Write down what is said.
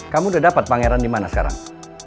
kamu udah dapet pangeran dimana sekarang